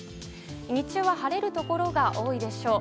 日中は晴れるところが多いでしょう。